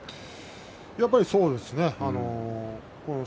やっぱりそうですね。